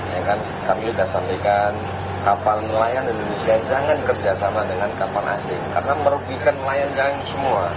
ya kan kami sudah sampaikan kapal nelayan indonesia jangan kerjasama dengan kapal asing karena merugikan nelayan kalian semua